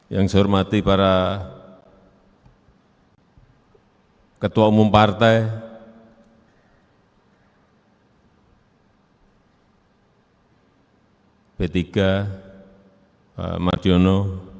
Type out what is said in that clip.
yang saya hormati para ketua umum partai p tiga pak mardiono